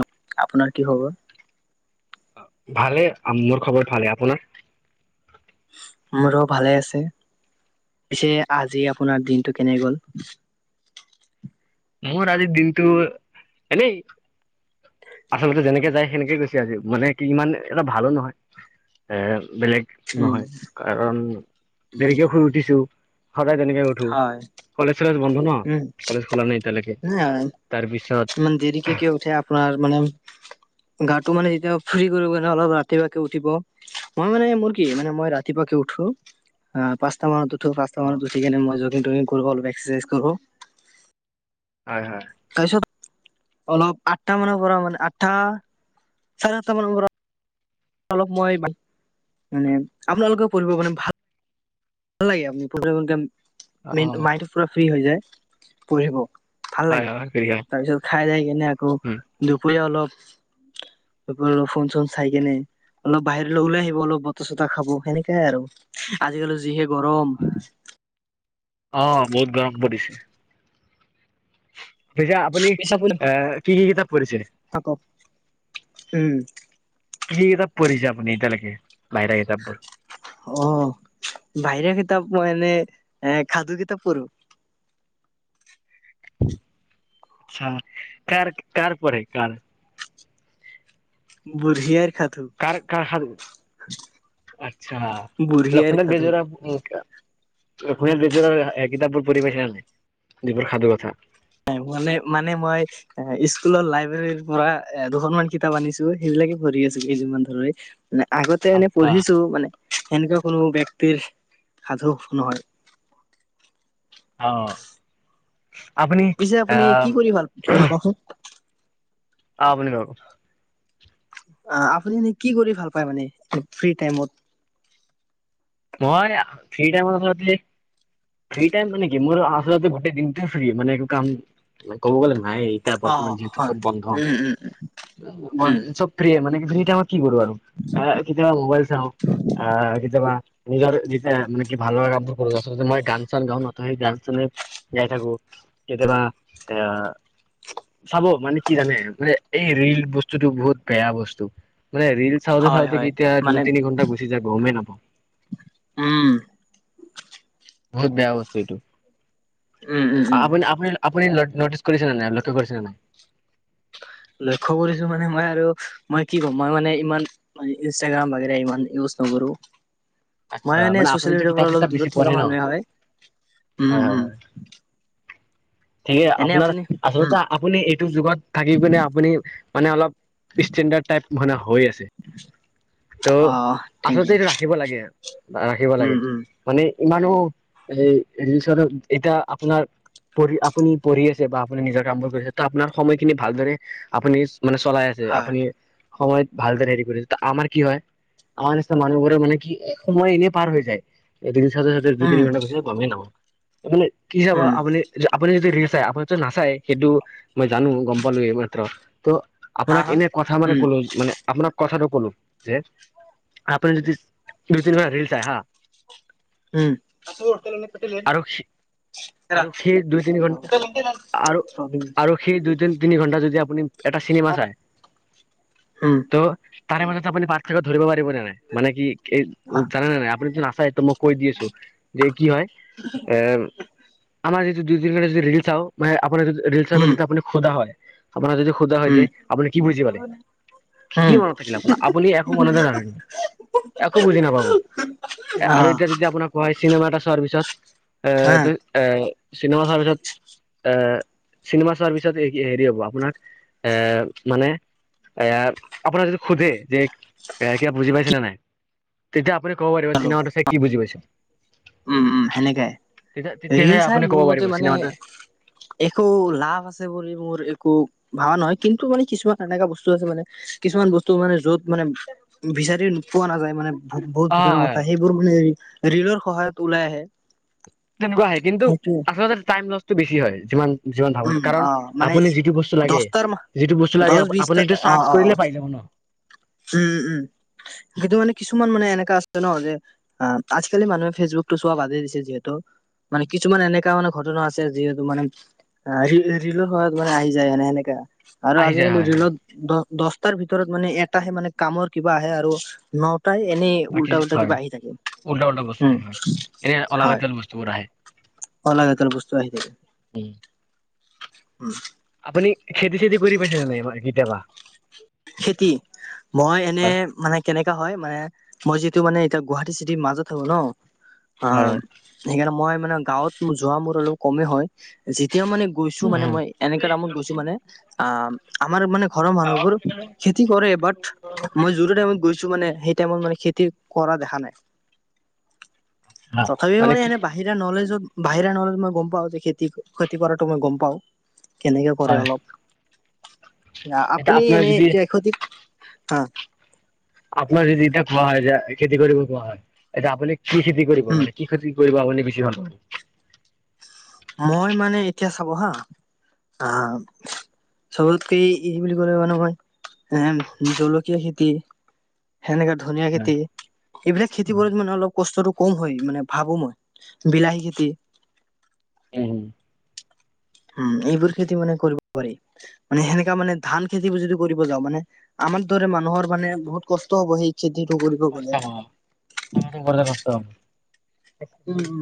নো, আপোনাৰ কি খবৰ? ভালে, মোৰ খবৰ ভালে, আপোনাৰ? মোৰো ভালে আছে, পিছে আজি আপোনাৰ দিনটো কেনে গ'ল? মোৰ আজি দিনটো এনেই আচলতে যেনেকে যায় সেনেকে গৈছে আজি, মানে কি ইমান এটা ভালোঁ নহয়, এ বেলেগ। উম, নহয়, কাৰণ উম, দেৰিকে শুই উঠিছোঁ, সদায় তেনেকে নুঠো। হয়। কলেজ-চলেজ বন্ধ ন', উম, কলেজ খোলা নাই এতিয়ালৈকে, নাই তাৰপিছত ইমান দেৰিকে কিয় উঠে আ আপোনাৰ মানে, গাটো মানে এতিয়া ফ্ৰী কৰিব ন', অলপ ৰাতিপুৱাকে উঠিব। মই মানে, মোৰ কি, মানে মই ৰাতিপুৱাতে উঠো। অ', পাঁচটা মানত উঠো, পাঁচটা অ মানত উঠি কেনে মই জগিং-টোগিং কৰো অলপ, এক্সাৰচাইজ কৰোঁ। হয়, হয়। তাৰ পিছত অলপ আঠটা পৰা মানে আঠটা চাৰে অন্তা মানৰ পৰা অলপ মই মানে, আপোনালোকেও পঢ়িব মানে ভাল ভাল লাগে, আপুনি [unintelligible] অ দিনটো, মাইণ্টো পুৰা ফ্ৰী হৈ যায়, পঢ়িব, ভাল হয় লাগে, হয় ফিৰিয়া তাৰপিছত খাই যাই কেনে, আকৌ উম দুপৰীয়া অলপ দুপৰীয়া অলপ ফোন- চোন চাই কেনে অলপ বাহিৰলৈ ওলাই আহিব, অলপ বতাহ-চতাহ খাব, সেনেকাই আৰু, আজিকালি যিহে গৰম। অ', বহুত গৰম পৰিছে। পিছে আপুনি, এ কি-কি কিতাপ পঢ়িছে? থাকক, উম। কি-কি কিতাপ পঢ়িছে আপুনি এতিয়ালৈকে, বাহিৰা কিতাপবোৰ? অ', বাহিৰা কিতাপ মই এনে, এ সাধু কিতাপ পঢ়ো। আচ্ছা, কাৰ, কাৰ পঢ়ে, কাৰ? বুড়িয়াই সাধু। কাৰ-কাৰ সাধু, আচ্ছা, বুঢ়িয়াৰ লক্ষ্মীনাথ সাধু বেজবৰুৱাৰ লক্ষ্মীনাথ বেজবৰুৱাৰ কিতাপবোৰ পঢ়ি পাইছা নে নাই, যিবোৰ সাধু কথা। মানে, মানে মই এ, স্কুলৰ লাইবেৰিৰ পৰা এ দুখনমান কিতাপ আনিছোঁ, সেইবিলাকে পঢ়ি আছোঁ কেইদিনমান ধৰি। মানে আগতে এনে আচ্ছা পঢ়িছোঁ, মানে সেনেকা কোনো ব্যক্তিৰ সাধু নহয়। অ। আপুনি পিছে আপুনি কি আহ কৰি ভাল ন কওকচোন আপুনি [unintelligible] আ আপুনি এনে কি কৰি ভাল পায় মানে, ফ্ৰী টাইমত? মই ফ্ৰী টাইমত আচলতে ফ্ৰী টাইম মানে কি, মোৰ আচলতে গোটেই দিনটো ফ্ৰি, মানে একো কাম কব গ'লে নাই এতিয়া অ' বৰ্তমান যিহেতু হয়, চব বন্ধ। উম, উম, উম, [unintelligible] ফ্ৰিয়ে মানে কি ফ্ৰি টাইমত কি কৰোঁ আৰু, এ কেতিয়াবা মোবাইল চাওঁ, আহ কেতিয়াবা নিজৰ যেতিয়া মানে কি ভাল লগা কামবোৰ কৰোঁ আচলতে, মই গান-চান গাওঁ ন', তো সেই গান-চানে গাই থাকোঁ। কেতিয়াবা আ চাব মানে কি জানে? মানে এই ৰিল বস্তুটো বহুত বেয়া বস্তু, মানে ৰিল চাওঁতে হয়, চাওঁতে হয়, কেতিয়া মানে দুই-তিনি ঘণ্টা গুচি যায়, গমে নাপাওঁ। উম। বহুত বেয়া বস্তু এইটো। উম, উম, উম, আপুনি- আপুনি আপুনি ন- নটিচ কৰিছে নে নাই? লক্ষ্য কৰিছে নে নাই? লক্ষ্য কৰিছোঁ মানে মই আৰু মই কি ক'ম? মই মানে ইমান মই ইন্ষ্টাগ্ৰাম ৱাগেৰা ইমান ইউজ নকৰোঁ। মই আচ্ছা মানে ছচিয়েল আপুনিতো মিডিয়াৰ কিতাপ পৰা অলপ চিতাপ বেছি দূৰত থকা পঢ়ে ন? মানুহে হয়, উম হয় হয় উম। হয় ঠিকে এনে আপোনাৰ আপুনি উম, আচলতে আপুনি এইটো যুগত থাকি পিনে আপুনি মানে অলপ ইষ্টেণ্ডাৰ্ড টাইপ মানে হৈ আছে। তো অ' থেংক আচলতে ইউ, এইটো ৰাখিব লাগে, ৰাখিব উম, লাগে। উম, মানে ইমানো সেই ৰিলছৰ এতিয়া আপোনাৰ পঢ়ি আপুনি পঢ়ি আছে বা আপুনি নিজৰ কামবোৰ কৰিছে, তো আপোনাৰ সময়খিনি ভালদৰে আপুনি মানে চলাই আছে, হয়, আপুনি সময়ত ভালদৰে হেৰি কৰিছে। আমাৰ কি হয় আমাৰ নিচনা মানুহবোৰে মানে কি এ সময় এনে পাৰ হৈ যায়। এ ৰিল চাওতে চাওতে দুই উম, তিনি ঘণ্টা গুচি যাব গমে নাপাওঁ। এ মানে কি চাব উম, আপুনি আপুনি যদি ৰিল চায়, আপুনি যদি নাচায় সেইটো মই জানোঁ, গম পালোঁ এই মাত্ৰ, তো হা, আপোনাক হা, এনে কথা মানে উম, কলো, মানে আপোনাক কথাটো কলো যে আপুনি যদি দুই তিনিটা ৰিল চায় হা, উম, [unintelligible] আৰু আৰু সেই দুই তিনি ঘণ্ আৰু আৰু সেই দুই তিন- তিনি ঘন্টা যদি আপুনি এটা চিনেমা চায় উম, তো তাৰে মাজতে আপুনি পাৰ্থক্য ধৰিব পাৰিবনে নাই? মানে কি এই- জানে নে নাই? আপনিতো নাচায় তো মোক কৈ দি আছোঁ, যে কি হয় এ আমাৰ যদি দুইদিন ধৰি যদি ৰিল চাও, মানে আপোনাৰ যদি ৰিল চাই উম, পাছতে আপুনি খোদা হয় আপোনাক যদি সোদা হয় উম, যে আপুনি কি বুজি পালে? কি উম মনত থাকিলে আপোনাৰ? আপুনি একো মনতে নাথাকিব, একো বুজি নাপাব। অ আৰু এতিয়া যদি আপোনাক কোৱা হয় চিনেমা এটা চোৱাৰ পিছত এ হা ত এ চিনেমা চোৱা পিছত অ চিনেমা চোৱাৰ পিছত এ কি হেৰি হ'ব আপোনাক এ মানে এ আপোনাৰ যদি সোধে যে এ কিবা বুজি কি পাইছে নে নাই তেতিয়া আপুনি কব পাৰিব খালো চিনেমাটো চাই কি বুজি পাইছোঁ। উম উম, সেনেকাই। তেতিয়াহে ৰিল আপুনি চাই ক'ব মোৰ পাৰিব মতে মানে চিনেমাটো একো লাভ আছে বুলি মোৰ, একো ভবা নহয় কিন্তু মানে কিছুমান এনেকুৱা বস্তু আছে মানে, কিছুমান বস্তু মানে য'ত মানে বিচাৰি পোৱা নাযায় মানে বহুত অ ভিতৰৰ হয় কথা হয় সেইবোৰ, মানে ৰেলৰ সহায়ত ওলাই আহে। তেনেকুৱা আহে কিন্তু, সেইটোৱে আচলতে টাইম লছটো বেছি হয় যিমান জীৱন ভাবে, উম কাৰণ অ মানে আপুনি যিটো বস্তু লাগে, দহটাৰ যিটো বস্তু লাগে, দহ আপুনি বিশটা এটো অ চাৰ্চ অ অ কৰিলে পাই যাব ন। উম উম, কিন্তু মানে কিছুমান মানে এনেকা আছে ন যে আহ, আজিকালি মানুহে ফেচবুক টো চোৱা বাধাই দিছে যিহেতু মানে কিছুমান এনেকা মানে ঘটনা আছে যিহেতু মানে আহ, ৰিল ৰিলৰ সহায়ত মানে আহি যায় আৰু সেনেকা। আৰু আহি যায় আজিকালি হয় হয় ৰেলত দ দহটাৰ ভিতৰত মানে এটাহে মানে কামৰ কিবা আহে আৰু ন প্ৰায় এনেই বাকী উল্টা উল্টা হয় কিবা আহি থাকে, উল্টা উম, হয়। চোৰ আহে। অলাগতিয়াল বস্তু আহি থাকে, উম। আপুনি খেতি চেতি কৰি পাইছেনে নাই, কেতিয়াবা। খেতি, মই এনে হয় মানে কেনেকা হয় মানে মই যিহেটো মানে এতিয়া গুৱাহাটী চিটিৰ মাজত থাকো ন। আহ, সেইকাৰণে মই মানে গাঁৱত যোৱা মোৰ অলপ কমেই হয়, যেতিয়া মানে গৈছো মানে হয় মই এনেকক টাইমত গৈছো মানে, আহ আমাৰ মানে ঘৰৰ মানুহবোৰ খেতি কৰে বাট, মই যোমতো টাইমত গৈছো গৈছো মানে সেই টাইমত মানে খেতি কৰা দেখা নাই, হ্যাঁ, তথাপি মানে কি এনে বাহি বাহিৰা নলেজত, বাহিৰা নলেজত মই গম পাওঁ, যে খেতি ক্ষতি কৰাটো মই গম পাওঁ কেনেকে কৰে হয় অলপ, আহ এতিয়া আপুনি আপোনাৰ এনে যদি সতি, আহ। আপোনাৰ যদি এতিয়া কোৱা হয় যে খেতি কৰিব কোৱা হয়, এতিয়া আপুনি কি খেতি কৰিব উম মানে কি খেতি কৰিব আপুনি বেছি ভাল পায়। মই মানে এতিয়া চাব হা, আহ চবতকে ই বুলি ক'লে মানে মই, এ জলকীয়া খেতি সেনেকাে ধনিয়া হয়। খেতি, এইবিলাক খেতি উম কৰি মানে অলপ কষ্টতটো কম হয় মানে ভাবো মই, বিলাহী খেতি‌। উম। উম, সেইবোৰ খেতি মানে কৰিব পাৰি। মানে সেনেকা মানে ধান খেতিবোৰ যদি কৰিব যাওঁ, মানে আমাৰ দৰে মানুহৰ মানে বহুত কষ্ট হ'ব সেই‌ খেতি কৰি‌ কষ্ট হয়, [unintelligible] কষ্ট উম হয়। উম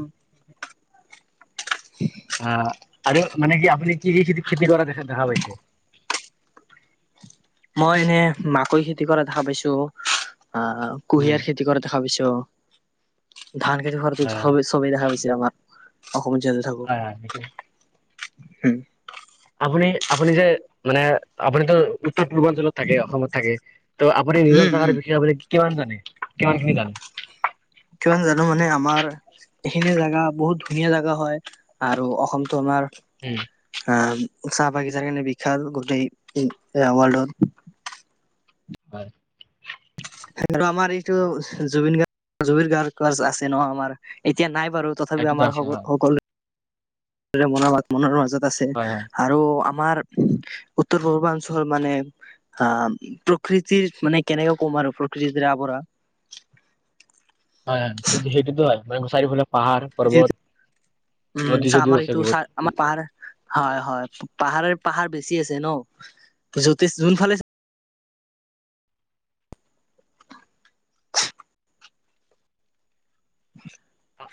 [unintelligible] অ', আৰু মানে কি আপুনি কি, কি খেতি খেতি কৰা দেখা, দেখা পাইছে? মই এনে মাকৈ, খেতি কৰা দেখা পাইছোঁ, আহ উম কুঁহিয়াৰ খেতি খেতি কৰা দেখা পাইছো, ধান খেতি কৰাটো হয় স চবেই দেখা পাইছে আমাৰ। অসমত জলে থাকে, হয় হয় সেইটোৱে। উম। আপুনি, আপুনি যে মানে, আপুনিতো উত্তৰ পূৰ্বাঞ্চলত থাকে অসমত থাকে, ত' আপুনি নিজৰ উম জোগাৰ উম বিশষে কিমান জানে, কিমান খিনি জানে। কিমান জানো মানে আমাৰ এইখিনি জেগা বহুত ধুনীয়া জেগা হয়, আৰু অসমতো আমাৰ উম, আহ, চাহ-বাগিচাৰ কাৰণে বিখ্যাত গোটেই ৱৰ্ল্ডত। হয়। আমাৰ এইটো জুবিন গাৰ্গ জুবিন গাৰ্গ আছে ন আমাৰ এতিয়া নাই বাৰু। তথাপি সেইটোতো আমাৰ আছে স হয় সকলো মনৰ, মনৰ মাজত আছে হয় হয় আৰু আমাৰ পূৰ্বাঞ্চল হ প্ৰকৃতিৰ মানে কেনেকে কম আৰু প্ৰকৃতি আৱঢ়া হয়, হয় কিন্তু সেইটো হয় মান চাৰি ফালে যিহেতু পাহাৰ-পৰ্বত উম চা আমাৰ নদী-চদীও এইটো আছে চা আমাৰ বহুত। পাহাৰ হয়, হয় পাহাৰে পাহাৰ বেছি, আছে ন যতে যোনফালে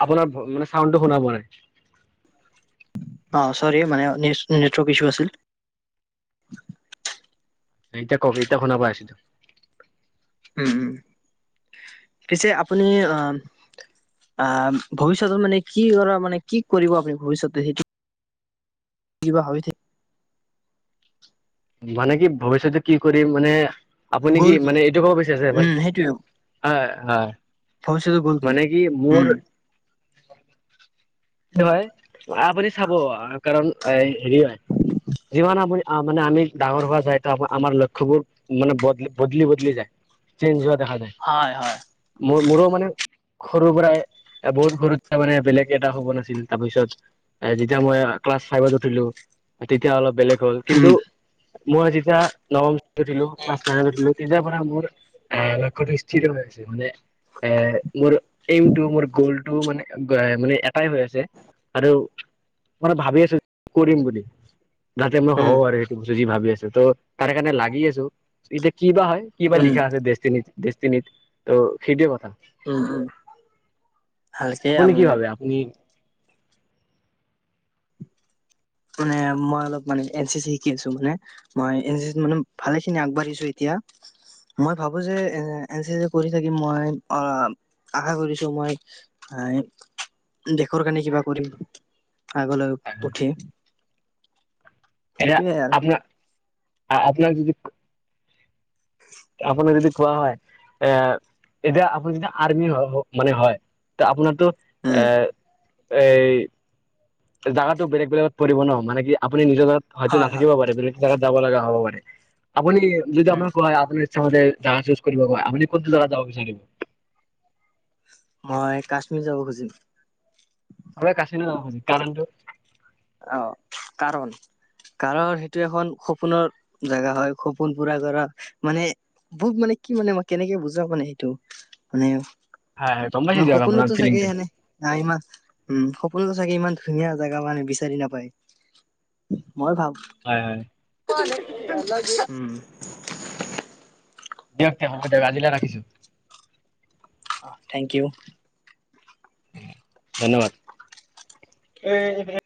আপোনাৰ মানে চাউণ্ডটো শুনা পোৱা নাই। অ' চৰি মানে নেটৱৰ্ক ইছু আছিল। এতিয়া কওক এতিয়া শুনা পাই আছো। উম, পিছে আপুনি আহ অ' ভৱিষ্যতত মানে কি কৰা মানে কি কৰিব, আপুনি ভৱিষ্যতে? কিব ভাবি থাক মানে কি ভৱিষয়তে কি কৰিম, মানে আপুনি কি মানে এইটো ক'ব বিচাৰিছে আছে মানে উম সেইটোৱে হয়, ভৱিষ্যতৰ গ'ল হয় মানে কি উম। মোৰ হয় আপুনি, চাব কাৰণ এ হেৰি হয় যিমান আপুনি মানে আমি ডাঙৰ, হোৱা যায় তো আপুনি আমাৰ লক্ষ্যবোৰ মানে বদকি, বদলি বদলি যায়, চেঞ্জ হোৱা দেখা যায়। হয়, হয়। মোৰ মোৰো মানে সৰুৰ পৰাই বহুত সৰু মানে বেলেগে তাৰ পিছত যেতিয়া ম‌ই ক্লাচ ফাইভত উঠিলো, তেতিয়া অলপ বেলেগ হ'ল উম কিন্তু মই আজিতি নৱম আছিলো। তেতিৰ পৰা মোৰ অ' লক্ষ্যটো নিত হৈ আছে মানে। এ মোৰ এইমটো, মোৰ গ'লটো মানে এ মানে টাই হৈ আছে আৰু মানে ভাবি আছো কৰিম বুলি যাতে মই হব, উম আৰু সেইটো বস্তু যি ভাবি আছো ত তাৰে কাৰণে লাগি আছো এতিয়া বা হয় কিবা বা উম লিখা আছে ডেচ দেষ্টি নিট ত' সেইটোৱে কথা। উম, উম ভালকে আনে। নি মানে মই অলপ মানে এন চি চি শিকি আছো মানে মই এ মানে ভালে খিনি আগবাঢ়িছো এতিয়া। মই ভাবো যে এ এন চি এ কৰি থাকি মই অ' আশা কৰিছো মই দেশৰ কাৰণে কিবা কৰি আগলৈ উঠি এটা সেইটোয়ে আৰু আপোনাৰ, আপোনাৰ যদি [inaudible] আপোনাক যদি কোৱা হয়। আহ, এতিয়া আপুনি যদি আৰ্মি মোক মানে হয় তে আপোনাৰতো এ উম এই জাগাতো বেলেগ, বলেগত পৰিব ন, মানে কি আপুনি নিজৰ জাগাত হয়তো হয় হয় নাথাকিব পাৰে বেলেগে জেগাত যাব লগা হব পাৰে আপুনি যদি আপোনাৰ হয় আপুনি তহতে জেগা চুজ কৰিব পাৰে আপুনি কোনতো জাগা যাব বিচাৰিব? মই কাশ্মীৰ যাব খুজিম। হ'লে কাচিন যাব খোজোঁ, কাৰণটো। অ', কাৰণ। কাৰণ সেইটো এখন সপোনৰ জেগা হয়, সপোন পুৰা কৰা মানে বহুত মানে কি মানে মই কেনেকে বুজাম মানে সেইটো, মানে হয় হয় গম পাইছো মানে দিয়ক আপোনাৰ সপোনটো চাগে ফিলিংটো সেনে নাই ইমান উম' সপোনটো চাগে ইমান ধুনীয়া জেগা মানে বিচা চাৰি নাপায় মই ভাবোঁ। হয়, হয়। [unintelligible] উম। দিয়ক [unintelligible] হ'ব দিয়ক আজিলে ৰাখিছোঁ। অ', থেংক ইউ। ধন্যবাদ এ হে হে।